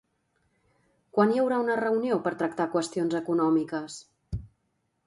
Quan hi haurà una reunió per tractar qüestions econòmiques?